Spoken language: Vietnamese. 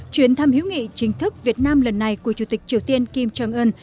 chuyển thăm hữu nghị chính thức việt nam lần này của chủ tịch triều tiên kim trần ân